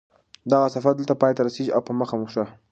دغه سفر دلته پای ته رسېږي او په مخه مو ښه